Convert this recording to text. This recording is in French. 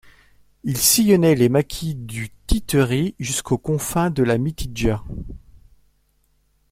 Il sillonnait les maquis du Titteri jusqu'aux confins de la Mitidja.